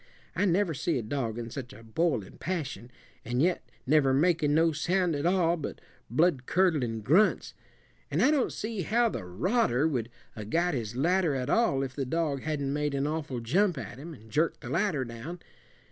I never see a dog in such a boiling passion, and yet never making no sound at all but bloodcurdlin' grunts. An' I don't see how the rodder would 'a' got his ladder at all if the dog hadn't made an awful jump at him, and jerked the ladder down.